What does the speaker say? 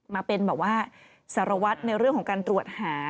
มาเป็นแบบว่าสารวัตรในเรื่องของการตรวจหา